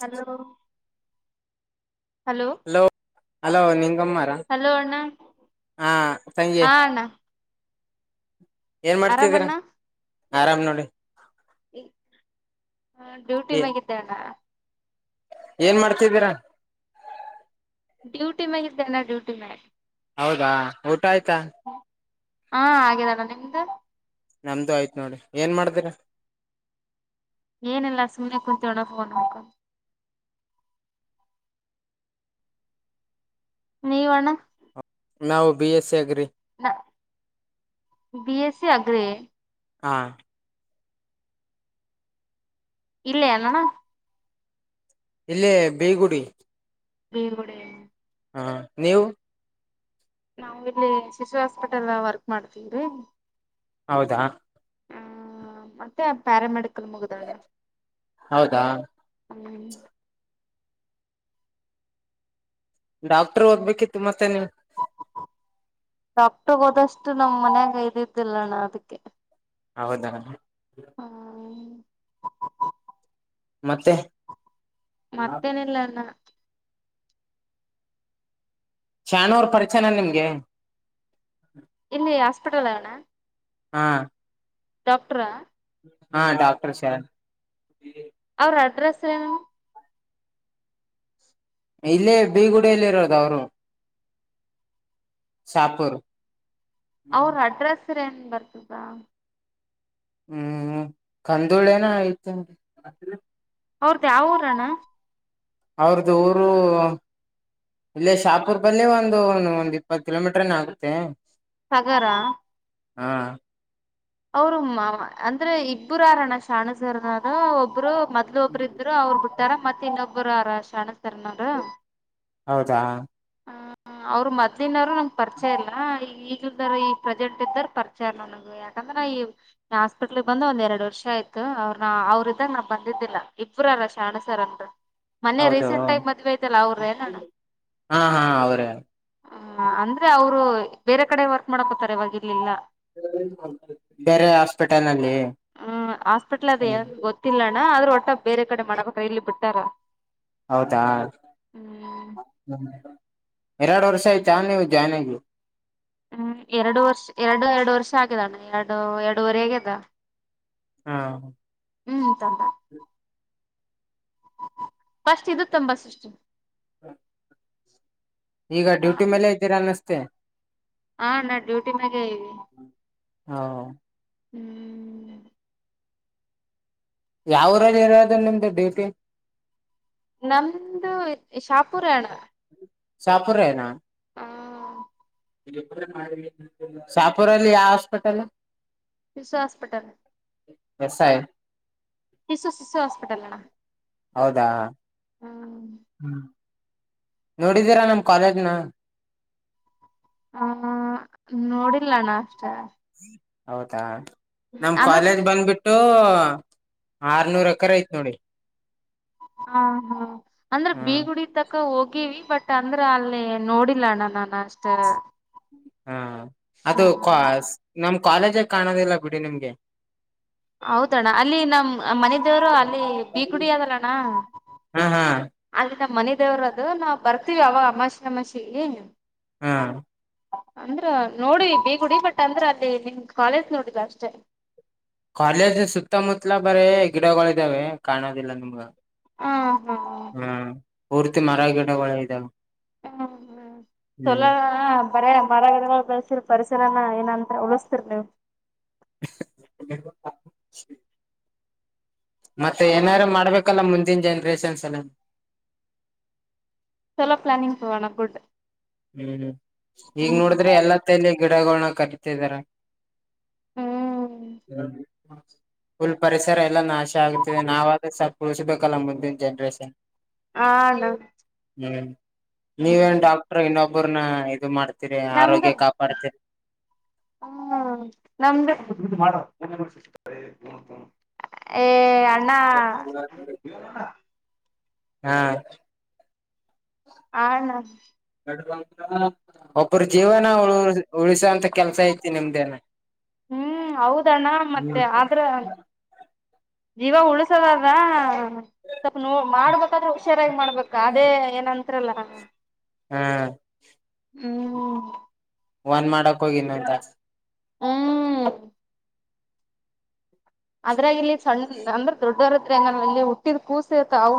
Hello hello hello ನಿಂಗಮ್ಮಾರಾ hello ಅಣ್ಣ ಹಾ ಹಾ ಸಂಜಯ್ ಅಣ್ಣ ಏನ್ ಮಾಡ್ತಿದೀರ ಆರಾಮ್ ನೋಡಿ ಈ ಹ ಡ್ಯೂಟಿ ಮ್ಯಾಗಿದ್ದೇ ಅಣ್ಣ ಏನ್ ಮಾಡ್ತಿದ್ದೀರಾ? ಡ್ಯೂಟಿ ಮ್ಯಾಗಿದ್ದೆ ಅಣ್ಣ ಡ್ಯೂಟಿ ಮ್ಯಾಗ್. ಹೌದಾ? ಊಟಾಯ್ತಾ? ಹಾ ಆಗ್ಯಾದಣ ನಿಮ್ದು? ನಮ್ದು ಆಯ್ತ್ ನೋಡಿ ಏನ್ ಮಾಡ್ದಿರ? ಏನಿಲ್ಲ ಸುಮ್ನೆ ಕುಂತಿ ಅಣ ಫೋನ್ ನೋಡ್ಕೊನ್. ನೀವು ಅಣ್ಣ? ನಾವು B S C agri. B SC agri? ಹಾ ಇಲ್ಲೇ ಏನಣ್ಣ? ಇಲ್ಲೇ ಬೇಗುಡಿ. ಬೇಗುಡೆ. ಹಾ ನೀವು? ನಾವು ಇಲ್ಲಿ ಶಿಶು ಹಾಸ್ಪಿಟಲ್ ವರ್ಕ್ ಮಾಡ್ತೀವ್ರಿ. ಹೌದಾ? ಹ್ಮ ಮತ್ತೆ ಪ್ಯಾರ ಮೆಡಿ ಹೌದಾ [unintelligible] ಡಾಕ್ಟರ್ ಒದ್ಬೇಕಿತ್ತು ಮತ್ತೆ ನೀವು? ಡಾಕ್ಟರ್ ಓದಷ್ಟು ನಮ್ ಮನ್ಯಾಗ ಇದಿದ್ದಿಲ್ಲಣ್ಣ ಅದಕ್ಕೆ. ಹೌದಾ? ಹಾ ಮತ್ತೆ ಮತ್ತೇನಿಲ್ಲ ಅಣ್ಣ. ಶಾನು ಅವ್ರ್ ಪರಿಚನ ನಿಮ್ಗೆ? ಇಲ್ಲಿ ಹಾಸ್ಪಿಟಲ್ಲ ಅಣ್ಣ. ಹಾ ಡಾಕ್ಟರಾ? ಹಾ ಡಾಕ್ಟರ್ ಶಾನ್. ಅವ್ರ್ ಅಡ್ರೆಸ್ ತೇನು? ಇಲ್ಲೇ ಬೀಗುಡಿಯಲ್ಲಿರೋದು ಅವ್ರು. ಶಾಹ್ಪುರ್. ಅವ್ರ್ ಅಡ್ರೆಸ್? ಸ್ ಏನ್ ಬರ್ತಾ? ಹ್ಮ್ ಕಂದುಳೇನ ಐಯ್ತ್. ಅವ್ರದ್ ಯಾವೂರಣ್ಣ? ಅವ್ರ್ದು ಊರು ಇಲ್ಲೇ ಶಾಹ್ಪುರ್ದಲ್ಲೇ ಒಂದು ಒಂದ್ ಇಪ್ಪತ್ತು ಕಿಲೋಮೀಟ್ರನ ಆಗುತ್ತೆ. ಹಗರಾ ಹಾ ಅವರು ಮಾ ಅಂದ್ರೆ ಇಬ್ರು ಆರೇ ಅಣ್ಣ ಶಾಣೆ ಸರೂ ಅದು ಒಬ್ರು. ಮೊದ್ಲು ಒಬ್ರು ಇದ್ರು ಅವ್ರು ಬಿಟ್ಟಾರ ಮತ್ ಇನ್ನೊಬ್ಬರು ಆರ ಶಾಣೆ ಸರ್ ನೋಡು. ಹೌದಾ ಅವರ್ ಮೊದ್ಲಿನರ್. [unintelligible] ನಂಗ್ ಪರಿಚಯ ಇಲ್ಲಾ ಈ ಈಗ್ ಇದೋರ್ ಈ ಪ್ರೆಸೆಂಟ್ ಇದ್ದಾರ ಪರಿಚಯಾರ ನನಗೆ ಯಾಕಂದ್ರ ನ ಈ ಹಾಸ್ಪಿಟ್ಲ್ಗ್ ಬಂದ ಒಂದ್ ಎರಡ್ ವರ್ಷ ಆಯ್ತ್ ಅವ್ರ ನ ಅವ್ರ ಇದಾಗ್ ನಾ ಬಂದಿದ್ದಿಲ್ಲ ಇಬ್ರ ಅವ್ರ ಶಾಣಸರ್ ಅನ್ಬೇಟು. ಮನ್ನೆ ಹೌದು ರೀಸೆಂಟ್ ಆಗಿ ಮದ್ವೆಐತಲ್ಲ ಅವ್ರೇ ನಾ. ಹಾ ಹಾ ಅವರೇ ಅಂದ್ರೆ ಅವ್ರು ಬೇರೆ ಕಡೆ ವರ್ಕ್ ಮಾಡಕೋತಾರೆ ಈವಾಗ್ ಇಲಿಲ್ಲ. ಬೇರೆ ಹಾಸ್ಪಿಟಲ್ ನಲ್ಲಿ ಆ ಆದ್ರೂ ಒಟ್ಟ ಬೇರೆ ಕಡೆ ಮಾಡಬೇಕ ಇಲ್ಲಿ ಬಿಟ್ಟಾರ ಹೌದಾ ಹ್ಮ್ ಎರಡು ವರ್ಷ ಆಯಿತಾ ನೀವು ಜಾಯ್ನ್ ಆಗಿ ಹ್ಮ್ ಎರಡು ವರ್ಷ ಎರಡು ಎರಡು ವರ್ಷ ಆಗಿದಣ್ಣ ಎರಡು ಎರಡೂುವರೆ ಆಗ್ಯದ ಹಾ ಹ್ಮ್ ತಂದ ಫಸ್ಟ್ ಇದು ತುಂಬಾ ಸಷ್ಟು [inaudible] ಈಗ ಡ್ಯೂಟಿ ಮೇಲೆ ಇದೀರ ಅನ್ನಿಸ್. ತ್ತೆ ಹಾ ನಾ ಡ್ಯೂಟಿ ಮ್ಯಾಗೆ ಇ ಹಾ ಹೋ ಹ್ಮ್ ಯಾವುರಾಗ್ ಇರದು ನಿಮ್ದು ಡ್ಯೂಟಿ ನಮ್ದು ಶಾಪುರಣ್ಣ ಶಾಪುರೆನಾ [unintelligible] ಶಾಪೂರಲ್ಲಿ ಯಾವ್ hospital Shishu hospital S I Shishu Shishu hospital ಅಣ್ಣ. ಹೌದಾ ಹ್ಮ್ ನೋಡಿದೀರಾ ನಮ್ ಕಾಲೇಜ್ನ ಹಾ ನೋಡಿಲ್ಲಣ್ಣ ಅಷ್ಟೇ. ಹೌದಾ. ನಮ್ ಅಂದ್ರೆ ಕ್ವಾಲೇಜ್ ಬಂದ್ಬಿಟ್ಟು. ಹ ಆರ್ನೂರ ಎಕರೆ ಐತ್ ನೋಡಿ. ಹ ಹಾ ಅಂದ್ರೆ ಹ್ಮ್ ಬೀಗುಡಿ ತಕಾ ಹೋಗ್. ಗೀವಿ ಬಟ್ ಅಂದ್ರ ಅಲ್ಲಿ ನೋಡಿಲ್ಲ ಅಣ್ಣ ನನ್ ಅಷ್ಟ. ಹಾ. ಹ ಅದು ಕ್ವಾಸ್ ನಮ್ಗ. ಕಾಲೇಜ ಕಾಣೋದಿಲ್ಲಾ ಬಿಡಿ ನಿಮ್ಗೆ. ಔದಣ್ಣಾಅಲ್ಲಿ ನಮ್ ಅ ಮನೆ ದೇವರು ಅಲ್ಲಿ ಬೀಗುಡಿ ಅದಲ್ಲಣ್ಣ ಹಾ ಹಾ ಅಲ್ಲಿ ನಮ್ಮ್ ಮನೆ. ದೇವ್ರ ಅದು ನಾವು ಬರ್ತೀವಿ ಅವಾಅಮಾಷಿ ಅಮಾಷಿಗಿ. ಹ. ಅಂದ್ರ ನೋಡಿ ಬೀಗುಡಿ ಬಟ್ ಅಂದ್ರ ಅಲ್ಲಿ ನಿಮ್ ಕಾಲೇಜ್ ನೋಡಿಲ್ಲ ಅಷ್ಟೇ. ಕ್ವಾಲೇಜ ಸುತ್ತಾ ಮುತ್ಲಾ. ಬರೇ ಗಿಡಗಳಿ ಇದ್ದಾವೆ ಕಾಣೋದಿಲ್ಲ ನಿಮ್ಗ. ಆ ಹಾ. ಹ್ಮ್ ಪೂರ್ತಿ ಮರ ಗಿಡಗಳ ಇದಾವ. ಅಹ್ ಹಾ ಹ್ಮ್ ಛೊಲೊ ಅದ್. ಬರೆ ಮರ ಗಿಡಗೊಳ್ ಬೆಳಸಿರ ಪರಿಸರ ಏನ ಏನಂದ್ರ ಉಳಿಸ್ತಿರ್ ನೀವು. [unintelligible] ಮತ್ತೆ ಏನಾರು ಮಾಡ್ಬೇಕಲ್ಲ ಮುಂದಿನ ಜನ್ರೇಷನ್ಸ್ ಅನ. ಚಲೋ ಪ್ಲಾನಿಂಗ್ಸ್ ಸುವರ್ಣ ಗುಡ್. ಹ್ಮ್ ಹಿಂಗ್ ಹ್ಮ್ ನೋಡಿದ್ರೆ ಎಲ್ಲಾ ತೈಲಿಗ. ಗಿಡಗಳೊನ್ನ ಕಟ್ಟತಿದಾರ ಹ್ಮ್ ಫುಲ್ ಪರಿಸರ ಎಲ್ಲಾ ನಾಶ ಆಗ್ತದೆ ನಾವ ಆದ್ರೆ ಸಪ್ ಉಳ್ಸಬೇಕಲ್ಲಾ ಮುಂದಿನ ಜನ್ರೇಷನ್. ಆಣ. [unintelligible] ನೀವೆನ್ ಡಾ. ಶಾಪುರನ ಇದು ಮಾಡ್ತ್. ನಮ್ದರ ಹ ನಮ್ದರ. ಏ ಯಾಡ್. ಅಣ್ಣಾ. ಹ್ಯಾ. ಆಡ ನೌನ್. [unintelligible] ಒಬ್ಬರು ಜೀವನಾ ಉಳ ಉಳಿಸ್ಯಾನ. ಮತ್ತೆ ಕೆಲ್ಸ ಐತಿ ನಿಮ್ದೇನ. ಹ್ಮ್ ಹೌದಣ್ಣ ಮತ್ತೆ ಆದ್ರ ಜೀವ ಉಳಸದಲ್ವಾ ಸ್ವಲ್ಪ ನೋ ಮಾಡ್ಬೇಕಾದ್ರೆ ಹುಷಾರಾಗಿ ಮಾಡ್ಬೇಕ್ ಅದೇ ಏನ್ ಹತ್ರಲ್ಲ ಹಾ ಹ್ಮ ಒಂದ್ ಮಾಡಕ್ ಹೋಗಿ ಇನ್ನೊಂದ್ ತಾಸ್. ಹ್ಮ ಅದ್ರಾಗ ಇಲ್ಲಿ ಸಣ್ಣ ಅಂದ್ರೆ ದೊಡ್ಡವರದ್ರೆಂಗ ಇಲ್ಲಿ ಹುಟ್ಟಿದ್ ಕೂಸಿತ್ ಅವು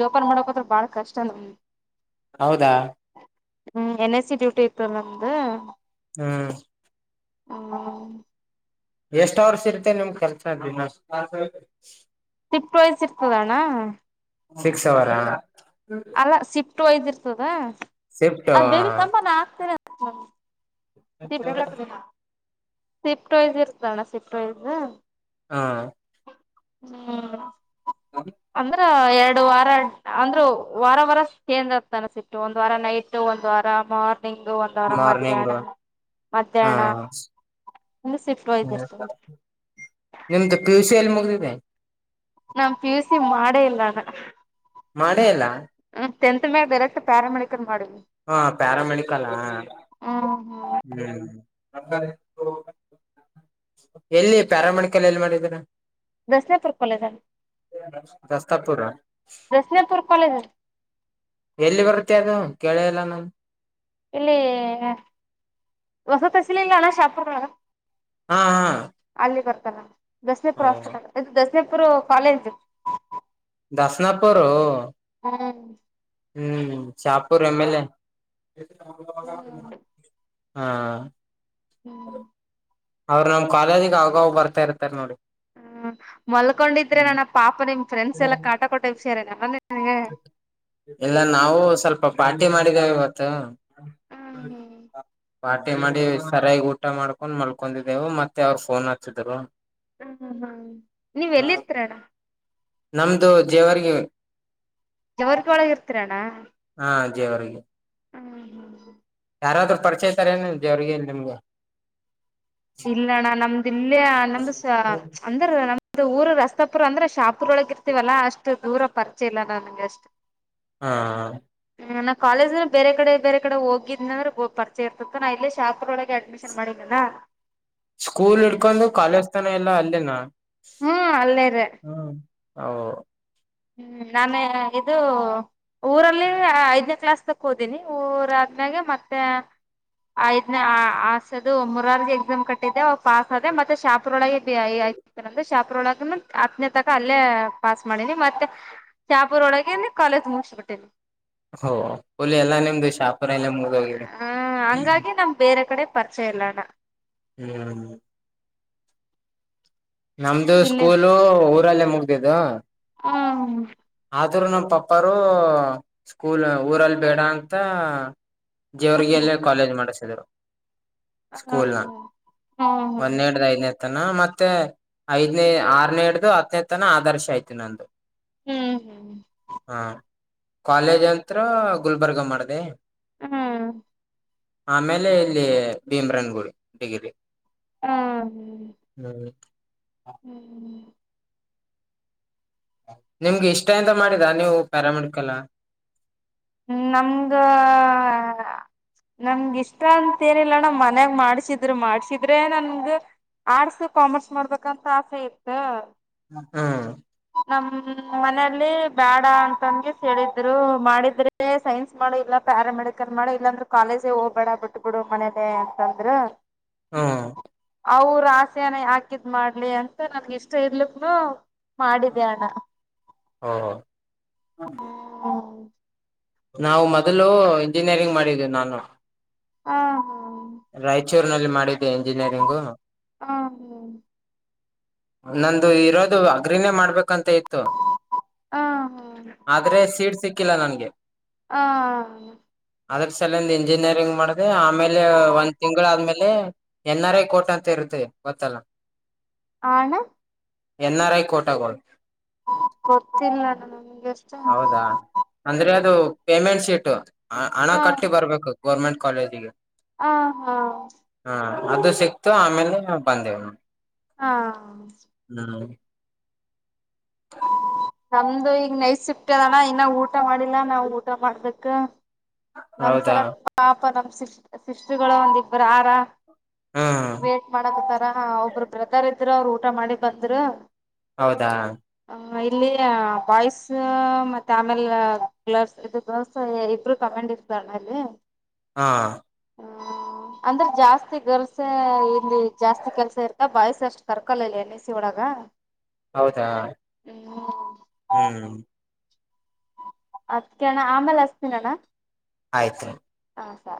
ಜೋಪನ್ ಮಾಡಕ್ದ್ರ ಬಾಳ ಕಷ್ಟ ನಮ್ಗೆ ಹೌದಾ ಹ್ಮ್ ಎನ್ ಎ ಸಿ ಡ್ಯೂಟಿ ಇತ್ತು ನಮ್ದ ಹ್ಮ್ ಹೂ ಎಷ್ಟೋ ವರ್ಷ ಇರ್ತೆದೇ ನಿಮ್ ಕೆಲಸ ದಿನಗು [unintelligible] ತಿಪ್ಪ ವಯ್ಸ್ ಇರ್ತದಣ್ಣ ಸಿಕ್ಸ್ ಅವರ ಅಲ್ಲ ಸಿಪ್ ಟ್ವಿಯ್ಸ್ ಇರ್ತದ ಶಿಫ್ಟ್ ಅದ್ ಬೇವಿ ಸಂಪಾನ ಆಗ್ತಾರೆ ಹಾ [unintelligible] ಸಿಫ್ಟಯ್ಸ್ ಇರ್ತಣ್ಣ ಸಿಫ್ಟ ವಾಯಸ್ ಹಾ ಹಾ ಹ ಎರಡು ವಾರ ಅಂದ್ರು ವಾರ ವಾರ ಕೇಂದ್ರ [unintelligible] ಒಂದ್ ವಾರ ನೈಟ್ ಒಂದ್ ವಾರ ಮಾರ್ಚ್ ನಿಂಗು ಒಂದು ವರ ಮಾರ್ನಿಂಗ್ ಮಧ್ಯಾಹ್ನ ಹಾ ಮಧ್ಯಾಹ್ನ ಸ್ ಇನ್ನು ಸಿಫ್ಟ್ ವೈಸ್ ಇರ್ತದೆ ಎಂತ [unintelligible] ಪಿಯುಸಿ ಎಲ್ಲಿ ಮಗಿದಿದೆ ನಮ್ ಪಿಯುಸಿ ಮಾಡೇ ಇಲ್ಲಾನ ಮಾಡೇಯಿಲ್ಲ ಟೆಂತ್ ಮೇಲೆ [unintelligible] ಪ್ಯಾರಾಮೆಡಿಕಲ್ ಮಾಡು. ಹ್ಮ್ ಪಾರಾಮೆಡಿಕಲ್ ಲಾ ಹ್ಮ್. [unintelligible] ಎಲ್ಲಿ ಪ್ಯಾರ ಮೆಡಿಕಲ್ ಎಲ್ಲಿ ಮಾಡಿದೀರ ದಸ್ನಾಪುರ್ ಕ್ವಾಲೇಜ ದಸ್ತಾಪುರ ದಸ್ನಪುರ್ ಕ್ವಾಲೇಜ. ಎಲ್ಲಿ ಬರುತ್ತೇ ಅದು ಕೇಳೆ ಇಲ್ಲಾ ನಾನ್. ಇಲ್ಲಿ ಹೊಸತ್ಸಲಿಲ್ಲನ ಶಾಪುರ್ ಒಳಗ. ಹಾ ಹಾ. ತ್ತಲಾ. ದಸ್ನೆಪುರ ಹ್ವಾಸ್ಪಿಟಲ ಇದುದಸ್. ತ್ರಿಪುರು ಕ್ವಾಲೇಜ್. ದಾಸ್ನಾಪುರು. ಹ್ಹೊನ್. ಹ್ಮ್ ಚಾಪೂರ್ ಎಮ್ ಎಲ್ ಎ. [unintelligible] ಹಾ. ಹ್ಮ್. ಅವ್ರ ನಮ್ ಕ್ವಾಲೇಜಿಗೆ ಅವಗ್ ಅವಗ್ ಬರ್ತಾ ಇರ್ತಾರೆ ನೋಡಿ. ಹ್ಮ್ ಮಲ್ಕೊಂಡಿದ್ರೆ ನನ್ನ ಪಾಪ ನಿಮ್. ಫ್ರೆಂಡಸ್ ಎಲ್ಲಾ ಕಾಟಾ ಕೊಟ್ಟಾ ವಿಷಯ. ಎರ ನಮ್ಮನ್ನೇ. ಇಲ್ಲಾ ನಾವು ಸ್ವಲ್ಪ ಪಾನ್. ಡೇ ಮಾಡಿದೇವೆ ಇವತ್ತ. ಹ್ಮ್ [unintelligible] ಪಾರ್ಟಿ ಮಾಡಿ ಸರಯಾಗಿ ಊಟಾ ಮಾಡ್ಕೊಂಡ್ ಮಲ್ಕೊಂದಿದ್ದೇವು ಮತ್ತೆ ಅವ್ರ ಫೋನ್ ಹಚ್ಚಿದ್ರು. ಅಹ್ಮ ಹ್ಮ ನೀವ್ ಎಲ್ಲಿರ್ತರಣಾ. ನಮ್ದು ಜೇವರ್ಗಿ ಜವರ್ಗ ಕ್ವಾಳೆಜ ಇರ್ತೀರಣಾ. ಜವರ್ಗೆ. ಅಹ್ ಹ್ಮ. ಯಾರಾದ್ರ ಪರಿಚಯತಾರ ಏನ್ ದೇವ್ರಿಗೆ ನಿಮ್ಗೂ. ಇಲ್ಲಣ್ಣಾ ನಮ್ದ. ದಲ್ಲೇ ಅನಮ್ದಸಾ ಅಂದ್ರ ನಮ್ದ ಊರ ರಸ್. ತ್ತಪುರ್ ಅಂದ್ರೆ ಶಾಪುರ್ ಒಳಗ ಇರ್ತೀವಲ್ಲಾ ಅಷ್ಟು ದೂರ ಪರಿಚಯ ಇಲ್ಲ ನನ್ಗ ಅಷ್ಟ. ಹಾ. ನಾ ಕ್ವಾಲೇಝ್ನ ಬೇರೆ ಕಡೆ ಬೇರೆ ಕಡೆ ಹೋಗಿದ್ನಂದ್ರ ಗೊಪರಿಚೆಯ ಇರ್ತಿತ್ತ್ನಾ ನಾ ಇಲ್ಲೇ ಶಾಪುರ ಒಳಗೆ ಅಡ್ಮಿಷನ್ ಮಾಡೆನನಾ. ಸ್ಕೂಲ್ ಹಿಡ್ಕೊಂದು ಕ್ವಾಲೇಜ್ ತನ ಎಲ್ಲಾ ಅಲ್ಲಿನಾ. ಹ್ಮ್ ಅಲ್ಲೇರಿ. ಹ ಹ್ಮ್ ನಾನೇ ಇದು ಒ ಊರಲ್ಲಿ ಐದನೇ ಕ್ಲಾಸ್ ತಕ್ ಹೋದೀನಿ ಊರಾದ್ಮೇಗೆ ಮತ್ತೆ ಐದನೇ ಆಸದು ಮೂರಾರಿಗೆ ಎಕ್ಸಾಮ್ ಕಟ್ಟಿದ್ದೆ ಪಾಸ್ ಆದೆ ಮತ್ತೆ ಶಾಪುರ ಒಳಗೆ ಬಿ ಆತೆ ಶಾಪುರ ಒಳಗ ಹತ್ತನೇ ತಕ ಅಲ್ಲೇ ಪಾಸ್ ಮಾಡಿನಿ ಮತ್ತ್ ಶಾಪೂರ್ ಒಳಗೆನೆ ಕಾಲೇಜ್ ಮುಗಿಸಬಿಟ್ಟೇನಿ. ಹ ಫುಲ್ ಎಲ್ಲ ನಿಮ್ದು ಶಾಪುರಲ್ಲೇ ಮುಗ್ದೋಗಿವೆ. ಹ ಹಂಗಾಗಿ ನಮ್ ಬೇರೆ ಕಡೆ ಪರ್ಚಯ ಇಲ್ಲಣ. ಹ್ಮ್ ನಮ್ದು ಇಲ್ಲೇ ಸ್ಕೂಲು ದ್ರಲ್ಲೇ ಮುಗ್ದಿದ್ದು. ಹ್ಮ ಆದ್ರೂ ನಮ್ ಪಪ್ಪಾರು ಸ್ಕೂಲ್ ಊರಲ್ಲಿ ಬೇಡ ಅಂತ ಹ್ಮ್ ಜೇವರ್ಗೆಲ್ಲೇ ಕಾಲೇಜ್ ಮಾಡಸಿದ್ರು. ಸ್ಕೂಲ ಹ್ಮ್ ಹ್ಮ್ ಹ್ಮ್ ಒನ್ನೆಡ್ರೖನೇದ್. ತನ ಮತ್ತೆ ಐದ್ನೇ ಆರನೇ ಇಡ್ದು ಹತ್ತನೇತನ ಆದರ್ಶ ಆಯ್ತು ನಂದು. ಹ್ಮ್ ಹಾ ಕಾಲೇಜ್ ಅಂತ್ರ ಗುಲ್ಬರ್ಗ ಮಾಡ್ದೆ. ಹ್ಮ್ ಆಮೇಲೆ ಇಲ್ಲಿ ಭೀಮ್ರನ್ ಗುಡಿ ಡಿಗ್ರಿ. ಹ್ಮ ಹ ಹ್ಮ್ ಹ್ಮ್್ಮ ನಿಮ್ಗೆ ಇಷ್ಟ ಇಂದ ಮಾಡಿದ್ದ ನೀವು ಪ್ಯಾರಾಮೆಡಿಕಲ. ಹ್ಮ ನಮ್ಗ ನಮ್ಗಿಷ್ಟ ಅಂತ ಏನಿಲ್ಲಣ ಮನ್ಯಾಗ ಮಾಡ್ಸಿದ್ರು ಮಾಡ್ಸಿದ್ರೆ ನನ್ಗ ಆರ್ಟ್ಸ್ ಕಾಮರ್ಸ್ ಮಾಡ್ಬೇಕಂತ ಆಸೆ ಇತ್ತು. ಹ್ಮ್ ನಮ್ಮನೆಲ್ಲಿ ಬ್ಯಾಡ ಅಂತಂಗೆ ಸೇರಿದ್ರು ಮಾಡಿದ್ರೆ ಲೆ ಸೈನ್ಸ್ ಮಾಡು ಇಲ್ಲ ಪ್ಯಾರ ಮೆಡಿಕಲ್ ಮಾಡು ಇಲ್ಲಾಂದ್ರೆ ಕಾಲೇಜೇ ಹೋಗ್ಬೇಡ ಬಿಟ್ ಬಿಡು ಮನೇಲೇ ಅಂತಂದ್ರು. ಹಾ ಅವ್ರ್ ಆಸೆನ ಯಾಕಿದ್ ಮಾಡ್ಲಿ ಅಂತ ನನ್ಗ ಇಷ್ಟ ಇರ್ಲಿಕ್ಕನು ಮಾಡಿದೆ ಅಣ್ಣ ಓಹೋ ಹುಂ. ನಾವು ಮೊದಲು ಇಂಜಿನಿಯರಿಂಗ್ ಮಾಡಿದ್ದೀನಿ ನಾನು. ಹ ಹಾ ರಾಯಚೂರ್ನಲ್ಲಿ ಮಾಡಿ ದ್ದೆ ಇಂಜಿನಿಯರಿಂಗು. ಹ ನಂದು ಇರೋದು ಅಗ್ರಿನೇ ಮಾಡ್ಬೇಕು. ಂತ ಇತ್ತು ಹ ಹ ಆದ್ರೆ ಸೀಡ್ ಸಿ. ಸಿಕ್ಕಿಲ್ಲ ನನ್ಗೆ. ಹ. ಅದ್ರ ಸಲ ಒಂದ ಇಂಜಿನಿಯರಿಂಗ್ ಮಾಡ್ದ ಆಮೇಲೆ ಒಂದ್ ತಿಂಗಳ ಆದ್ಮೇಲೆ ಎನ್ ಆರ್ ಐ ಕೋಟ್ ಅಂತ ಇರ್ತದೆ ಗೊತ್ತಲ್ಲ. ಆಣ. ಎನ್ ಆರ್ ಐ ಕೋಟಾಗೋಳ್. ಗೊತ್ತಿಲ್ಲ ನಮಗೆಷ್ಟ ಹೌದಾ ಅಂದ್ರೆ ಅದು ಪೇಮೆಂಟ್ ಶೀಟ್. [unintelligible] ಹ ಹಣ ಕಟ್ಟಿ ಬರ್ಬೇಕು. ಗೋರ್ಮೆಂಟ್ ಕಾಲೇಜಿಗೆ. ಆ ಹಾ. ಹಾ ಅದು ಸಿಕ್ತು ಆಮೇಲೆ ಬಂದೆವು ನ. ಹಾ. ಹ. ನಮ್ದು ಈಗ ನೈಸಿಕ್ಟ್ಟದಾನ ಇನ್ನ ಊಟ. ಊಟ ಮಾಡಿಲ್ಲಾ ನಾವು ಊಟ ಮಾಡ್ಬೇಕು. [unintelligible] ಹೌದಾ ನಮ್ಸಲ ಪಾಪ ನ. ಶ ಶಿಸಷ್ಟುಗಳು ಒಂದಿಬ್ಬರು ಆಾರ. ಹ್ಮ್ ವೇಟ್ ಮಾಡದುಕರ ಒಬ್ರು ಬರ್ತಾರೆ. ಅವರು ಊಟ ಮಾಡಿ ಬಂದ್ರ. ಹೌದಾ ಇಲ್ಲಿ ಬಾಯ್ಸ್ ಮತ್ತೆ ಆಮೇಲೆ ಗರ್ಸ್ ಇದು ಗರ್ಲ್ಸ್ ಇಬ್ರು ಕಮಂಡ್ ಇರ್. [unintelligible] ಹಾ. ಹ್ಮ್ ಅಂದ್ರೆ ಜಾಸ್ತಿ ಗರ್ಲ್ಸ್ ಇಲ್ಲಿ ಜಾಸ್ತಿ ಕೆಲ್ಸ ಇರ್ತ ಬಾಯ್ಸ್ ಅಷ್ಟು ಕರ್ಕಲ್ಲ ಇಲ್ಲಿ ಎನ್ ಎ ಸಿ ಒಳಗ. ಹೌದಾ ಹ್ಮ್ ಹ್ಮ್. ಅದ್ಕಣ್ಣ ಆಮೇಲೆ ಹಸ್ತೀನ ಅಣ್ಣ. ಆಯ್ತ್. ಹಾ.